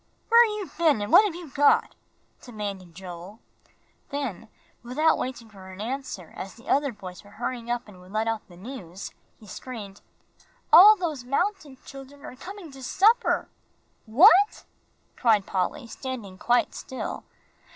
"Where've you been, and what've you got?" demanded Joel. Then, without waiting for an answer, as the other boys were hurrying up and would let out the news, he screamed, "All those mountain children are coming to supper!" "What?" cried Polly, standing quite still.